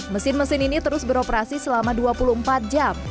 mesin mesin ini terus beroperasi selama dua puluh empat jam